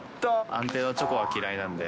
安定のチョコは嫌いなんで。